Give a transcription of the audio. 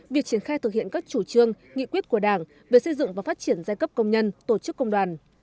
việc triển khai thực hiện các chủ trương nghị quyết của đảng về xây dựng và phát triển giai cấp công nhân tổ chức công đoàn